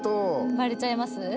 バレちゃいます？